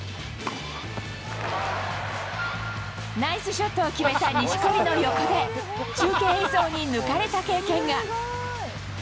ナイスショットを決めた錦織の横で、中継映像に抜かれた経験が。